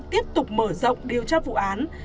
tiếp tục mở rộng điều tra vụ án